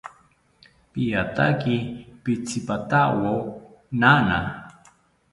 Piataki pitzipatawo nana